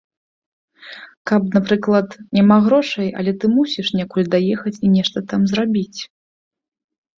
Каб, напрыклад, няма грошай, але ты мусіш некуль даехаць і нешта там зрабіць.